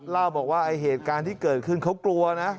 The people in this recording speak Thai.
เล่าบอกว่าไอ้เหตุการณ์ที่เกิดขึ้นเขากลัวนะ